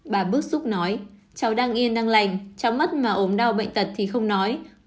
bà bức xúc nói cháu đang yên đang lành cháu mất mà ốm đau bệnh tật thì không nói